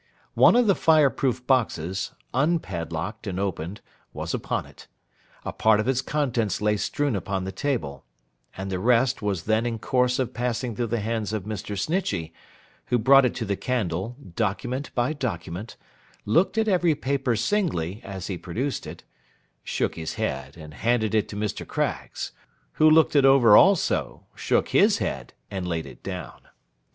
One of the fireproof boxes, unpadlocked and opened, was upon it; a part of its contents lay strewn upon the table, and the rest was then in course of passing through the hands of Mr. Snitchey; who brought it to the candle, document by document; looked at every paper singly, as he produced it; shook his head, and handed it to Mr. Craggs; who looked it over also, shook his head, and laid it down.